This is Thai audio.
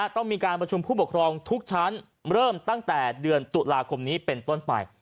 ต้องมีการประชุมผู้ปกครองทุกชั้นเริ่มตั้งแต่เดือนตุลาคมนี้เป็นต้นไป